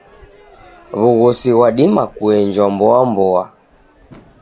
W'ughosi ghwadima kuenjwa mboamboa?